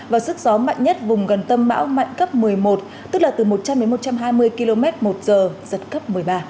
và sức gió mạnh nhất vùng gần tâm bão mạnh cấp một mươi một tức là từ một trăm linh đến một trăm hai mươi km một giờ giật cấp một mươi ba